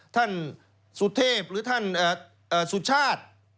ท่านสุเทพหรือท่านสุชาติ